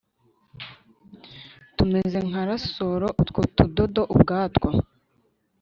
tumeze nka rasoro utwo tudodo ubwatwo